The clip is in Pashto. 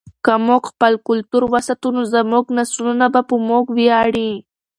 که موږ خپل کلتور وساتو نو زموږ نسلونه به په موږ ویاړي.